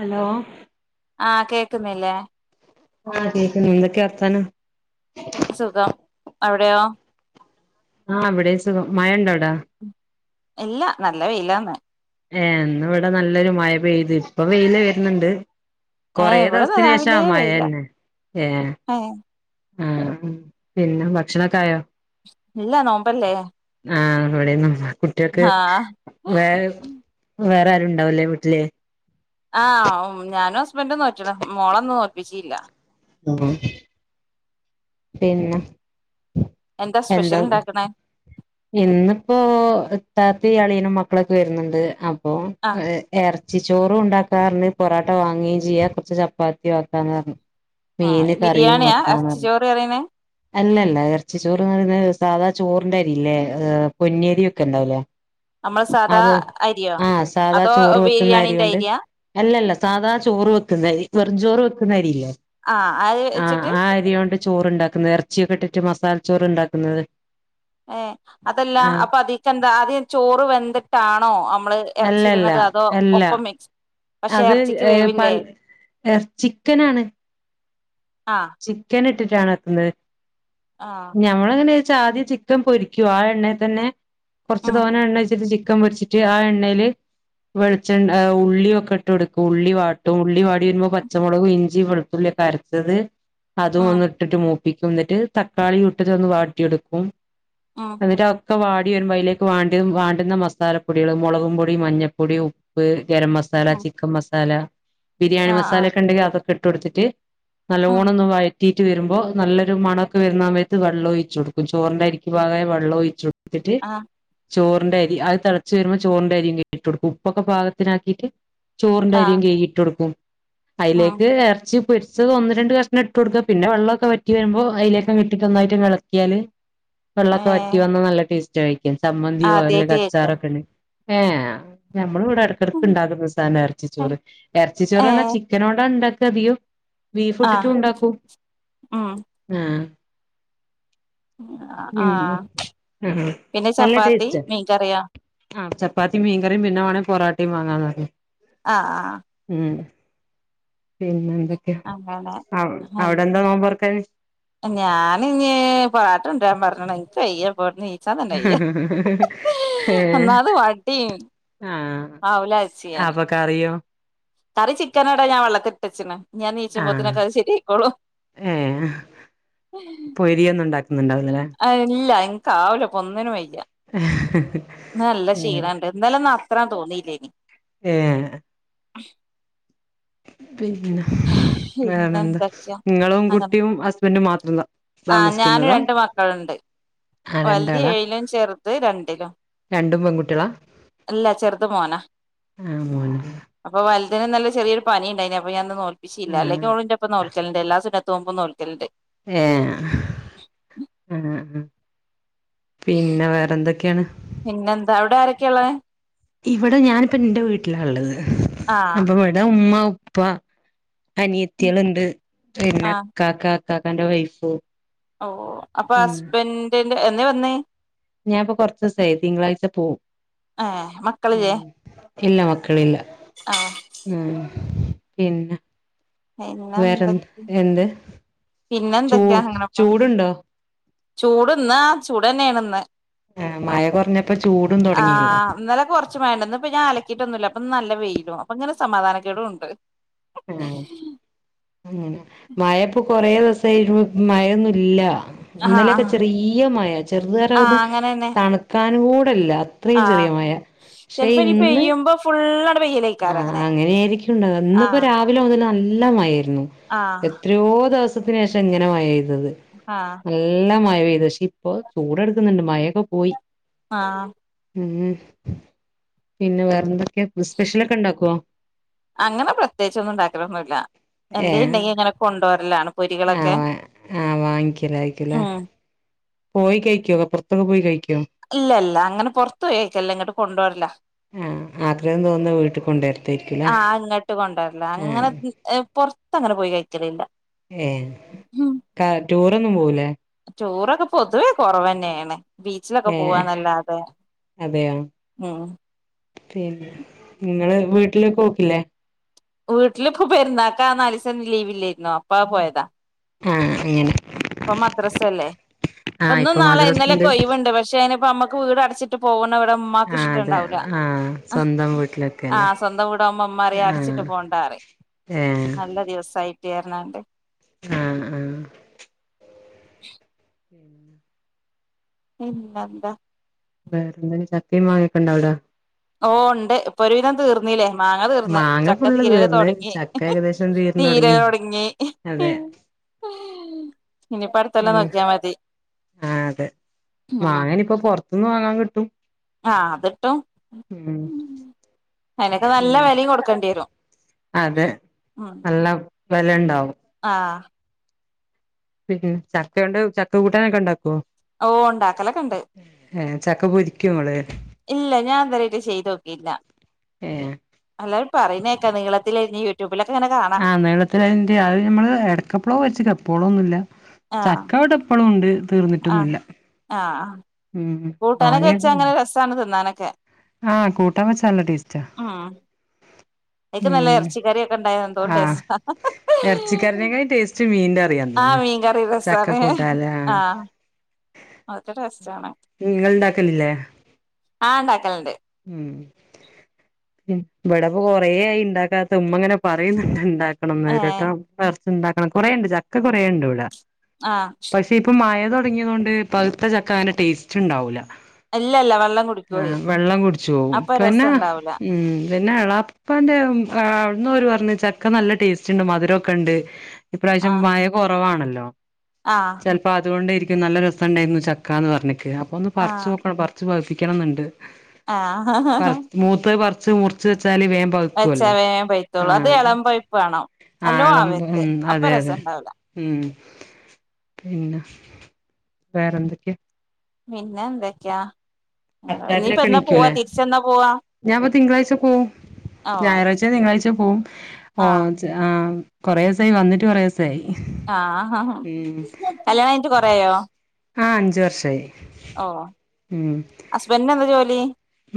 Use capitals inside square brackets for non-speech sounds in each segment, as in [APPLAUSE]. hello ആഹ് കേക്കുന്നില്ലേ ആഹ് കേക്ക്ണണ്ട് എന്തെക്യാ വർത്താനം സുഖം അവിടെയോ ആഹ് ഇവിടെം സുഖം മയണ്ടോ അവടെ ഇല്ല നല്ല വെയിലാണ് ഏഹ് ന്ന് വടെ നല്ലൊരു മയ പെയ്ത് ഇപ്പ വെയില് വരുന്നുണ്ട് ഏഹ് കൊറേ ഇവിടെ ദൊവസത്തിനേഷ രാവിലെ വെയിലാ മയന്നെ ഏഹ് ഏഹ് ആഹ് പിന്നെ ഭക്ഷണക്കായോ ഇല്ല നോമ്പല്ലേ ആഹ് ഇവടിം നോമ്പാ കുട്ടേക്ക് ആഹ് വേ വേറെ ആരുണ്ടാവുല്ലേ വീട്ടില് ആഹ് ഞാനും ഹസ്ബന്റും നോറ്റ്ണ് മോളന്ന് തോൽപ്പിച്ചില്ല [UNINTELLIGIBLE] പിന്നെ എന്താ സ്പെഷ്യൽ ണ്ടാക്ക്ണേ ഇന്നിപ്പോ ഇത്താത്തിം അളിയനും മക്കളൊക്കെ വരുന്നുണ്ട് അപ്പോ ആഹ് എഹ് എറച്ചി ചോറും ഉണ്ടാക്കാർഞ്ഞ് പൊറാട്ട വാങ്ങേം ചെയ്യാ കൊർച്ച് ചപ്പാത്തിയും ആക്കാന്നർഞ്ഞ് ആഹ് മീന് കറിയും ബിരിയാണിയാ എറച്ചി വെക്കാന്നർഞ്ഞ് ചോറ് പറയണേ അല്ലല്ല എറച്ചി ചോറ്ന്ന് പറിണത് സാധാ ചോറിന്റെ അരി ഇല്ലെ ഹ് പൊന്ന്യരി ഒക്കെണ്ടാവുലേ നമ്മള് സാധാ അതും അരിയോ ആഹ് സാധാ അതോ ചോറ് വെക്കുന്ന അരി ബിരിയാണീന്റെ കൊണ്ട് അരിയാ അല്ലല്ല സാധാ ചോറ് വെക്കുന്ന അരി വെറും ചോറ് വെക്കുന്ന അരി ഇല്ലേ ആഹ് അത് ആഹ് വെച്ചിട്ട് ആ അരിയോണ്ട് ചോറ്ണ്ടാക്കുന്നത് ഇറച്ചിയൊക്കെ ഇട്ടിട്ട് മസാല ചോറ് ഉണ്ടാക്കുന്നത് ഏയ് അതല്ല ആഹ് അപ്പൊ അതിക്കന്താ ആദ്യം ചോറ് വെന്തിട്ടാണോ അം മ്മള് അല്ലല്ല എറച്ചിഇടുന്നത് അതോ അല്ല ഒപ്പം മിക്സ് പക്ഷെ അത് ഇറച്ചിക്ക് ഏ വേവില്ലേ പൽ എർ ചിക്കനാണ് ആഹ് ചിക്കനിട്ടിട്ടാണ് വെക്കുന്നത് ആഹ് ഞമ്മള് എങ്ങനെച്ചാ ആദ്യം ചിക്കൻ പൊരിയ്ക്കും ആ എണ്ണേ തന്നെ കൊറച്ച് ഉം തോന്നെ എണ്ണൊയ്ച്ചിട്ട് ചി ക്കൻ പൊരിച്ചിട്ട് ആ എണ്ണേല് വെളിച്ചെണ്ണ ഏ ഉള്ളിയൊക്കെ ഇട്ട്കൊട്ക്കും ഉള്ളി വാട്ടും ഉള്ളി വാടി വരുമ്പോൾ പച്ചമുളകും ഇഞ്ചി വെളുത്തുള്ളിയൊക്കെ അരക്കും തത് അതും ഉം ഒന്ന് ഇട്ടിട്ട് മൂപ്പിക്കും എന്നിട്ട് തക്കാളി ഇട്ടിട്ട് ഒന്ന് വാട്ടിയെടുക്കും ഉം എന്നിട്ട് ഒക്കെ വാടി വരുമ്പോ അതിലേക്ക് വാണ്ട വാണ്ടുന്ന മസാലപ്പൊടികൾ മുളകും പൊടി മഞ്ഞൾപ്പൊടിയും ഉപ്പ് ഗര മസാല ഉം ചിക്കൻ മസാല ബിരിയാണി ആ ആ മസാല ഒക്കെ ഉണ്ടെങ്കിൽ അതൊക്കെ ഇട്ട് കൊടുത്തിട്ട് ഉം പോണൊന്നും വായി കിട്ട് വരുമ്പോ നല്ലെരു മണൊക്കെ വരുന്ന സമയ വെള്ള ഒഴിച്ച് കൊടുക്കും ചോറിന്റെ അരിക്ക് പാക ആയ വെള്ളം ഒഴിച്ചൊടുക്കും [UNINTELLIGIBLE] ആ ചോറിന്റെ അരി അത് തിളച്ചു വരുമ്പോ ചോറിന്റെ അരിയും കേട്ടു കൊടുക്കും ഉപ്പൊക്കെ പാകത്തിനാക്കിയിട്ട് ചോറിന്റെ ആ അരിം കൈകിട്ട് കൊടുക്കും ഉം അതിലേക്ക് ഇറച്ചി പൊരിച്ചത് ഒന്ന് രണ്ട് കഷ പിന്നെ ഇട്ട് കൊടുക്ക പിന്നെ വെള്ളൊക്കെ വറ്റി വരുമ്പോ അയിലേക്അങ്ങ് ഇട്ട് നന്നായിട്ട് ഇളക്കിയാല് ഏ വെള്ളമൊക്കെ വറ്റി വന്നാ നല്ല ടേസ്റ്റ് ആയിക്കും സമ്മന്തിയോ അല്ല ആദ്യായിട്ട് കേക്ക അച്ചാറൊക്കെ ഉണ്ടങ്കിൽ ഏഹ് നമ്മൾ ഇവിടെ ഇടക്കിടയ്ക്ക് ഉണ്ടാക്കുന്ന സാധനം ഇറച്ചി ചോറ് ഇറച്ചി ഏ ചോറ്ന്നാ ചിക്കനോണ്ടാ ഉണ്ടാക്ക അതികം ബീഫ് ആ ഇട്ടിട്ടും ഉണ്ടാക്കും ഉം ആഹ് ആ ഉം ആഹ് പിന്നെ നല്ല ചപ്പാത്തി ടേസ്റ്റ് മീൻകറിയോ ആഹ് ചപ്പാത്തി മീൻ കറി പിന്നെ വേണ പൊറാട്ടേ വാങ്ങാ പറഞ്ഞു ആഹ് ആഹ് ഉം പിന്നെ എന്തൊക്കെയാ അങ്ങനെ അവിടെ എന്താ നോബർക്കാന് ഞാന് ഇഞ്ഞ് പൊറാട്ട കൊണ്ടുവരാൻ പറയണം എനിക്ക് കയ്യ ഇവിടുന്ന് നീക്കാൻ ച്ചതന്നെയ്യ ഏ ഒന്നാത് വാട്ടി ആഹ് അവൂലാച്ചി ആപ്പൊക്കെ കറിയോ കറി ചിക്കൻ എടാ ഞാൻ വെള്ളത്തിട്ടച്ചിണ് ഞാൻ ആഹ് നീച്ചുമ്പത്തിനൊക്കെ അത് ശെരി ആയിക്കോളും [UNINTELLIGIBLE] ഉണ്ടാക്കുന്നുണ്ടാകുല അല്ലെ ആഹ് ഇല്ല എനിക് ആവൂല ഇപ്പൊ ഒന്നിനും വയ്യ ഇന്ന് നല്ല ഏ ക്ഷീണണ്ട് ഇന്നലെ ഒന്നും അത്ര തോന്നിയില്ലേനി ഏഹ് വേറെ പിന്നെ എന്താ എന്തൊക്കെയാ നിങ്ങളും കുട്ടിയും ഹസ്ബൻഡും മാത്രള്ളോ ആഹ് ഞാനും രണ്ട് മക്കളുണ്ട് ആ വലുത് രണ്ടാളാ ഏഴിലും ചെറുത് രണ്ടിലും രണ്ടും പെൺകുട്ടികളാ ഇല്ല ചെറുത് മോനാ ആഹ് മോനാ അപ്പൊ വലുതിന് ഇന്നലെ ചെറിയൊരു പനി ഉണ്ടായിന് അപ്പൊ ഞാന് ഇന്ന് നോൽപ്പിച്ചില അല്ലെങ്കിൽ ആഹ് ഓള് ഇന്റെപ്പോ ഇപ്പ നോൽക്കൽണ്ട് എല്ലാസുന്നത്തു നോമ്പും നോൽക്കലുണ്ട് ഏഹ് ആഹ് ആഹ് പിന്നെ വേറെന്തൊക്കെയാണ് പിന്നെ എന്താ അവിടെ ആരൊക്കെള്ളത് ഇവിടെ ഞാനിപ്പ ഇന്റെ വീട്ടിലാ ഉള്ളത് ആ അപ്പ ഇവിടെ ഉമ്മ ഉപ്പ അനിയത്തിയളുണ്ട് ആ പിന്നെ ഇക്കാക്ക ഇക്കാക്കന്റെ വൈഫ് ഓഹ് അപ്പൊ ഹസ്ബന്റിന്റെ എന്നെ വന്ന് ഞാൻപ്പോ കൊറച്ചു ദിവസമായി തിങ്കളാഴ്ച പോവും ഏ ഉം ഇല്ലാ മക്കളില്ല ആഹ് ഉം പിന്നെ പിന്നെ വേറെ എന്ത് എന്തൊക്കെ എന്ത് പിന്നെ ചൂ എന്തൊക്കെയാ അങ്ങനെ പോണ് ചൂടുണ്ടോ ചൂട് ഇന്ന് ആഹ് ചൂടന്നേണ് ഇന്ന് ആഹ് മഴ കുറഞ്ഞപ്പോ ചൂടും തൊടങ്ങിയല്ലോ [UNINTELLIGIBLE] ഇപ്പ ഞാൻ അലക്കിയിട്ടൊന്നുമില്ല അപ്പൊ നല്ല വെയിലും അപ്പൊ ഇങ്ങനെ സമാധാനക്കേടു ഉണ്ട് ആഹ് അങ്ങനെ മയയിപ്പൊ കൊറേ ദിവസായി മഴയൊന്നും ഇല്ല ആഹ് ഇന്നലെയൊക്കെ ആഹ് ചെറിയ മയ ചെറുത് തര ആഹ് ഒന്ന് അങ്ങനെന്നെ തണുക്കാനു കൂടെയില്ല ഇത്രയും ചെറിയ മയ പക്ഷേ ഇന്ന് പ്പൊ ഫുള്ളാണ്ട് വെയിലയ് ആഹ് അങ്ങനെ ആയിരിക്കുംണ്ടാവ്ക ഇന്നിപ്പൊ രാ വിലെ മുതല് നല്ല മയേരുന്നു ആഹ് എത്രയോ ദിവസത്തിന് ശേഷ ഇങ്ങനെ മയ പെയ്തത് ആഹ് നല്ല മയ പെയ്തു പക്ഷേ ഇപ്പൊ ചൂടെടുക്കുന്നുണ്ട് മയയൊക്കെ പോയി ആഹ് ഉം പിന്നെ വെറെന്തൊക്കെ അങ്ങനെ പ്രത്യേകിച്ചൊന്നും ഉണ്ടാക്കലൊന്നുല്ല എന്തേ ഏഹ് ഉണ്ടെങ്കി ഇങ്ങനെ കൊണ്ടുവരലാണ് ആഹ് പൊരികളൊക്കെ വാ ആഹ് വാങ്ങിക്കലായിരിക്കുംല്ലേ ഉം പോയി കഴിക്കോ പുറത്തൊക്കെ പോയി കഴിക്കോ ഇല്ല ഇല്ല അങ്ങനെ പൊർത്തു പോയിക്കല്ല ഇങ്ങോട്ട് കൊണ്ടു വര്ല്ലാ ആഹ് ആഗ്രഹം തോന്നുന്ന വീട്ടിൽ കൊണ്ടുവരത്തായിരിക്കുംല്ലേ ആഹ് ഇങ്ങട്ട് കൊണ്ടുവര്ല്ല അങ്ങനെ ആഹ് ഏ പുറത്തങ്ങനെ പോയി കഴിക്കലില്ല ഏഹ് ഉം ക ടൂറൊന്നും പോവൂലേ ടൂറൊക്കെ പൊതുവേ കൊറവന്നേണ് ബീച്ചിലൊക്കെ ഏഹ് പോവാന്നല്ലാതെ അതെയോ ഉം പിന്നെ ങ്ങള് വീട്ടില് പോക്കില്ലേ വീട്ടിലിപ്പ പെരുന്നാക്കാ ആ നാലീസം ലീവില്ലേരുന്നോ അപ്പാ പോയതാ ആഹ് അങ്ങനെ ഇപ്പൊ മദ്രസല്ലേ ഇപ്പ ആഹ് ന്നും ഇപ്പൊ നാളെ മദ്രസുണ്ട് ഇന്നലെക്കെ ഒയിവുണ്ട് പക്ഷേ അതിനിപ്പോ നമ്മക് ക്ക് വീട് അടച്ചിട്ട് പോകുന്ന ഇവിടം മ്മാക്ക് ആഹ് അതെ ഇഷ്ടണ്ടാവൂലാ ആഹ് സ്വന്തം വീട്ടിലൊക്കെ അല്ലേ ആഹ് സ്വന്തം വീടാകുമ്പോ ഉമ്മാറയും ആഹ് അടച്ചിട്ട് പോണ്ടാറയും ഏഹ് നല്ല ദിവസായിട്ട് അറിഞ്ഞാണ്ട് ആഹ് ആഹ് [INAUDIBLE] പിന്നെ പിന്നെന്താ വേറെ എന്തക്കെ ചക്കേം മാങ്ങെക്കെണ്ടാവിടെ ഓ ഉണ്ട് ഇപ്പൊ ഒരുവിധം തീർ ഇല്ലേ മാങ്ങ തീർന്ന് മാങ്ങ ചക്ക ഫുള്ള് തീരൽ തീർന്ന് തൊടങ്ങി ചക്ക ഏകദേശം തീർന്ന് തീര തുടങ്ങി തൊടങ്ങി അതെ ഇനിയിപ്പം അടുത്ത കൊല്ലോം ഉം നോക്കിയാ മതി ആഹ് അതെ ഉം വാങ്ങാൻ ഇപ്പൊ പൊറത്തുന്ന് വാങ്ങാൻ കിട്ടും ആഹ് അതിട്ടും ഉം അയിനൊക്കെ നല്ല വിലയും കൊടുക്കേണ്ടി വരും അതെ ഉം നല്ല വെലയുണ്ടാവും ആഹ് പിന്നെ ചക്ക കൊണ്ട് ചക്ക കൂട്ടാനൊക്കെ ഉണ്ടാക്കുവോ ഓ ഉണ്ടാക്കലൊക്കെ ഇണ്ട് ഏഹ് ചക്ക പൊരിക്കോ ഇങ്ങള് ഇല്ല ഞാൻ ഇതുവരെയായിട്ട് ചെയ്ത് നോക്കിട്ട്ല്ല ഏഹ് അല്ലാരും പറയുന്നക്കാം നീളത്തിലരിഞ്ഞ് കി രൂപ്പിലൊക്കെ ഇങ്ങനെ കാ ആഹ് നീളത്തിലാണെങ്കി അത് നമ്മള് എടക്കപ്പ്ളോ വെച്ച്ക്ക എപ്പോളൊന്നുല്ല ആഹ് ചക്കവിട പ്പൊളും ഉണ്ട് ആഹ് തീർന്നിട്ടൊന്നുല്ല ആഹ് ഉം മാങ്ങയ് നാണ് തിന്നാനൊക്കെ ആഹ് കൂട്ടാം വെച്ചാ നല്ല ടേസ്റ്റാ എനിക്ക് ഉം നല്ല ഇറച്ചിക്കറി ഒക്കെ ഉണ്ടായ എന്തോരു ടേസ്റ്റാ ഇറച്ചിക്കറിനേക്കായ് ടേസ്റ്റ് മീന്റെ കറിയാന്ന് ആഹ് തോന്ന്ന്ന് മീൻകറി രസാണ് ചക്കക്കൂട്ടാല്ലേ ആഹ് അദ് ട്ടെസ് നിങ്ങ ളുണ്ടാക്കലില്ലേ ആഹ് ഇണ്ടാക്കല്ണ്ട് ഉം ഉം ഇവിടപ്പ കൊറേ ആയി ഇണ്ടാക്കാത്ത ഉമ്മ ങ്ങനെ പറയുന്നുണ്ട് ഇണ്ട ണം ഏഹ് നേരില്ലട്ടോ പറിച്ചുണ്ടാക്കണം കൊറെണ്ട് ചക്ക കുറേ ഉണ്ട് ഇടെ ആഹ് പക്ഷെ ഇപ്പ മഴ തുടങ്ങിയതൊണ്ട് പഴുത്ത ചക്ക അതിന്റെ ടേസ്റ്റ് ഉണ്ടാവൂല്ല ഇല്ലല്ല വെള്ളം കുടിക്കുവ ചുവും പിന്നെ ഉം പിന്നെ എളാപ്പാന്റെ പറഞ്ഞ ചക്ക നല്ല ടേസ്റ്റ് ഉണ്ട് മധുരമൊക്കെ ഉണ്ട് ഇപ്രാവശ്യം ആഹ് മഴ കുറവാണല്ലോ ആഹ് ചിലപ്പോൾ അതുകൊണ്ട ഇരിക്കും നല്ല രസംണ്ടായിരുന്നു ചക്കാ എന്ന് പറഞ്ഞിക്ക് അപ്പൊ ഒന്ന് പറിച്ച് ആഹ് നോക്കണം [UNINTELLIGIBLE] വപ്പിക്കണംന്നുണ്ട് ആഹ് പറ മൂത്ത് പറിച്ച് മൂറിച്ച് വെച്ചാല് വേ വെച്ചാ പക്കുവല്ലോ വേം പഴുത്തോളും അത് ആഹ് എളം പഴുപ്പ് വേണം നല്ലോ ആളം ആവരുത് ഉം അപ്പൊ അതെ അതെ രസണ്ടാവൂല ഉം പിന്നെ വേറെന്തൊക്കെയാ പിന്നെ എന്തൊക്കെയാ ഇനിയിപ്പ എന്നാ പോവാ അത്രായത്തിനൊക്കെണീക്കൂല്ലേ തിരിച്ചെന്നാ പോവാ ഞാൻ അപ്പ തിങ്കളാഴ്ച പോവും ഓ ഞായറാഴ്ച തിങ്കാഴ്ച പോവും ഓ ആഹ് ആഹ് കൊറെേ ഈസായി വന്നിട്ട് കൊറെ ഈസായി ആഹ് ആഹ് കല്യാണം കയ്ഞ്ട്ട് കൊറയോ ആഹ് അഞ്ചു വർഷായി ഓഹ് ഹസ്ബന്റിന് എന്താ ജോലി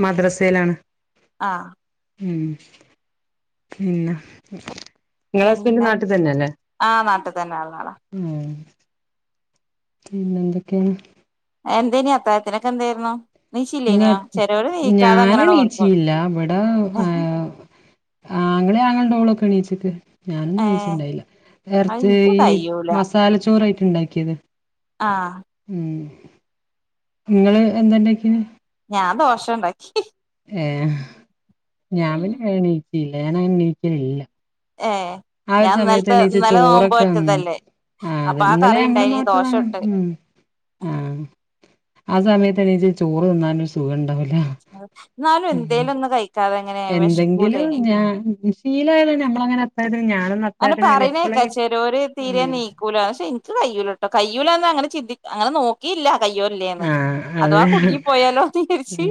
മദ്റസേലാണ് ആഹ് ഉം പിന്ന പിന്ന ആഹ് നാട്ടിൽ തന്നെ ഉള്ള ആളാ ഉം പിന്നെ എന്തൊക്കെയാ എന്തേ ഇനി അത്തായത്തിനൊക്കെ എന്തായിരുന്നു നീച്ചില്ലേനിയോ ചെലോര് [UNINTELLIGIBLE] നീക്കാതെ ഞാന് അങ്ങനെയാണ്ട് നോൽക്കും എണീച്ചില്ല ഇവിട ആഹ് ആങ്ങളേം ആങ്ങളേടെ ഓളുമൊക്കെ എണീച്ചിക്ക് ഞാനൊന്നും ഏഹ് എനീച്ചുണ്ടായില്ല അത് [UNINTELLIGIBLE] ഇൻക്ക് ഈ കയ്യൂല മസാല ച്ചോറായിട്ട ഇണ്ടാക്കിയത് ആഹ് ഉം ഇങ്ങള് എന്താണ്ടാക്കിയത് ഞാൻ ദോശ ഉണ്ടാക്കി ഏഹ് ഞാൻ പിന്നെ എണീക്കില്ല ഞാനങ്ങനെ എണീക്കലില്ല ഏഹ് ആ ഒരു സമയത്ത് എണീച്ച ചോറൊക്ക [UNINTELLIGIBLE] ആഹ് അപ്പൊ അതെ ആ ഇന്നലെ കറി നമ്മള് ഉണ്ടായിനി ദോശ നോറ്റതാണ് ചുട്ട് ഉം ആഹ് ആ സമയത്ത് എണീച്ചു ചോറ് തിന്നാനൊരു സുഖം ഉണ്ടാവൂല അഹ് എന്നാലും ഉം എന്തേലും ഒന്ന് കഴി എന്തെങ്കിലും ഞാൻ ശീലായത് ഞമ്മളങ്ങനെ അത്താഴത്തിന് ഞാനൊന്നും അ അങ്ങനെ പറയുന്നെ കേക്കാം ചെലോര് തീരെ എനീ ക്കൂല പക്ഷെ എനിക്ക് കയ്യുലട്ടോ കയ്യൂലാന്ന് അങ്ങനെ ചിന്തി അങ്ങന നോക്കിയില്ല കയ്യോ [UNINTELLIGIBLE] ആ അഥവാ കുടുങ്ങി പോയാലോന്ന് വിചാരിച്ച്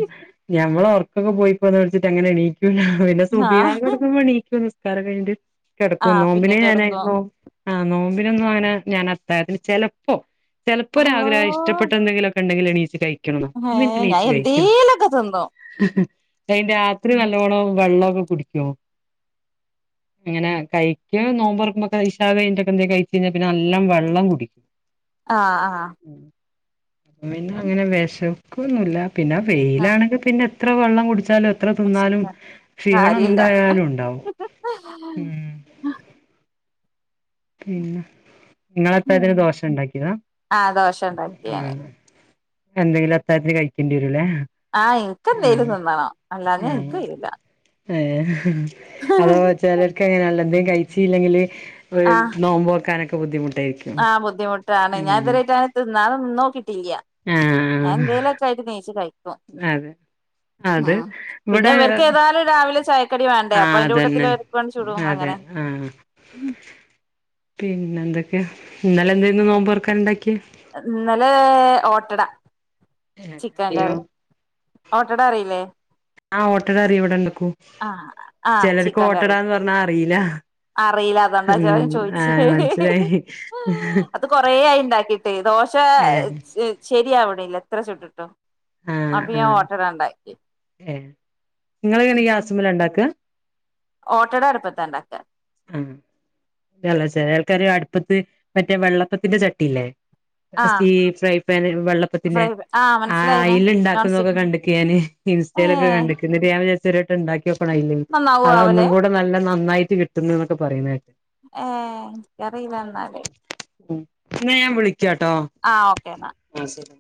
ഞമ്മള ഒറക്കൊക്കെ പോയ് പോവൊന്ന് പേടിച്ചിട്ട് അങ്ങനെ എണീക്കൂല പിന്നെ ആ സുബ്ഹി ബാങ്ക് കൊടുക്കുമ്പോ എണീക്കും നിസ് ക്കാരം കഴിഞ്ഞിട്ട് ആ കെടക്കും നോമ്പിനു പിന്നേം കെടക്കും ഞാനായിരുന്നു ആഹ് നോമ്പിനൊന്നും അങ്ങനെ ഞാന് അത്താഴത്തിന് ചെലപ്പോ ചെലപ്പോ അള്ളോ ഒരാഗ്രഹം ഇഷ്ടപ്പെട്ട എന്തെങ്കിലൊ ക്കെ ഒണ്ടെങ്കില് എണീച്ച് കഴിക്കണംന്ന് ഏ എന്നിട്ട് ഞാൻ എണീച്ച് കഴിക്കും എന്തേലൊക്കെ തിന്നും [UNINTELLIGIBLE] രാത്രി നല്ലോണം വെള്ളൊക്ക കുടിക്കൊ അങ്ങനെ കഴിക്കാൻ നോമ്പ് തൊറക്ക്മ്പ കഴി ഇശാ കഴിഞ്ഞിട്ടെക്ക എന്തേലും കഴിച്ച് കഴിഞ്ഞാ പിന്നെ നല്ലം വെള്ളം കുടി ആഹ് ആഹ് ഉം പിന്നെ അങ്ങനെ വെശക്കൊന്നുല്ല പിന്നെ ആ വെയിലാണെങ്കിൽ പിന്നെ എത്ര വെള്ളം കുടിച്ചാലും എത്ര തിന്നാലും ക്ഷീണം കാര്യല്ല എന്തായാലും ഉണ്ടാവും മ്ഹ് [UNINTELLIGIBLE] പിന്ന നിങ്ങള് ഇപ്പ ഇതില് ദോശ ഉണ്ടാക്കിയതാ ഭഷണം ഉണ്ടാക്കി ഞാന് ആഹ് എന്തെങ്കിലും അത്താഴത്തിനു കഴിക്കേണ്ടി വരൂല്ലേ ആഹ് എന്ക്ക് എന്തേലും തിന്നണം അല്ലാതെ എനിക്ക് ആഹ് കയ്യൂല ഏഹ് അതോ ചെലർക്ക് അങ്ങനാ [UNINTELLIGIBLE] കഴിച്ചീല്ലെങ്കില് ആഹ് [UNINTELLIGIBLE] നോമ്പ് തൊറക്കാനൊക്കെ ബുദ്ധിമുട്ടായിരി ആഹ് ബുദ്ധിമുട്ടാണ് ഞാൻ ഇതു വരെയായിട്ട് അങ്ങനെ തിന്നാതെ നിന്നോക്കി ട്ടില്യ ഞാൻ ആഹ് എന്തേലൊക്കെ ആയിട്ട് എണീച്ചു കഴിക്കും അതെ അത് ഇവിടെ എന്നാലും രാവിലെ ചായക്കടി വേണ്ടേ അപ്പ അയിന്റെ കൂട്ടത്തില് അവർക്ക് വേണ്ടി ചുടും അങ്ങനെ ഉം പിന്നെ എന്തൊക്കെ ഇന്നലെ എന്തെന്ന് നോമ്പർക്കാൻ ഉണ്ടാക്കിയേ ഇന്നലെ ഓട്ടട ക്കറിയോ ഓട്ടടറിയില്ലേ ആ ഓട്ടട അറിയൊ ഇവിടെണ്ടക്കൂ ആഹ് ആഹ് ചെലർക്ക് ചിക്കൻ കറി ഓട്ടടാന്ന് പറഞ്ഞാ അറിയീല അറിയില്ല അതൊണ്ടാ ചോ ചോയിച്ചെ മനസ്സിലായി അത് കൊറ ആയി ണ്ടാക്കി ട്ടെ ദോശ ഏ ശരിയാവിണില്ല എത്ര ചുട്ടിട്ടും ആ അപ്പൊ ആ ഞാൻ ഓട്ടട ആണ്ട് ഉണ്ടാക്കി ഏ ഇങ്ങളെങ്ങനെ ഗ്യാസ്മ്മലാ ണ്ടാക്ക ഓട്ടട അടുപ്പത്ത ണ്ടാക്ക ഉം യല്ലെ ചെലെൾക്കാര് അടുപ്പത്ത് മറ്റേ വെള്ളപ്പത്തിന്റെ ചട്ടില്ലേ ആഹ് സീ ഫ്രൈ പാൻ വെള്ളപ്പത്തിന്റെ ഫ്രൈ ആഹ് ആ മനസ്സിലായിനെ അയിൽ നോൺ ഇണ്ടാക്കുന്നൊക്കെ സ്റ്റിക്ക് കണ്ടക്ക് ഞാന് ഇൻസ്റ്റയിലൊക്കെ ഏഹ് കണ്ട് എന്നിട്ട് ഞാൻ വിചാരിച്ചു ഒരു വട്ടം ഇണ്ടാക്കിയൊക്കണം അയില് നന്നാവോ അതാ ആവല് ഒന്നുമ്പ്കൂടെ നല്ല നന്നായിട്ട് കിട്ടുന്ന്നൊക്കെ പറിണേട്ട് ഏ ഇന്ക്കറില ന്നാല് ന്നാ ഞാൻ വിളിക്കാട്ടോ ആ ഓക്കേ ന്നാ ആ ശരി